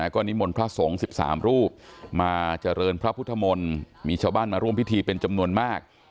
ก็นิมนต์พระสงฆ์๑๓รูปมาเจริญพระพุทธมนต์มีชาวบ้านมาร่วมพิธีเป็นจำนวนมาก